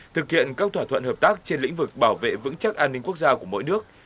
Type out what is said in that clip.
thực hiện các thỏa thuận hợp tác trên lĩnh vực bảo vệ vững chắc an ninh quốc gia của mỗi nước